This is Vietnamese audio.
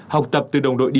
học tập từ đồng đội đi trước